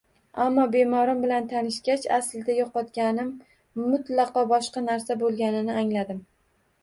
Ammo bemorim bilan tanishgach, aslida yo`qotganim mutlaqo boshqa narsa bo`lganini angladim